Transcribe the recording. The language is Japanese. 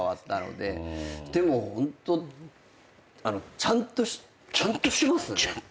でもホントあのちゃんとちゃんとしてますよね。